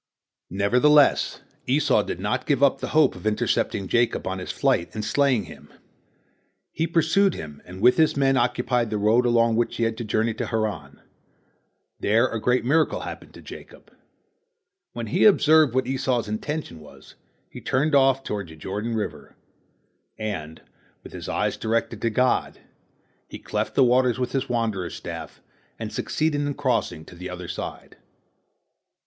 Nevertheless Esau did not give up the hope of intercepting Jacob on his flight and slaying him. He pursued him, and with his men occupied the road along which he had to journey to Haran. There a great miracle happened to Jacob. When he observed what Esau's intention was, he turned off toward the Jordan river, and, with eyes directed to God, he cleft the waters with his wanderer's staff, and succeeded in crossing to the other side.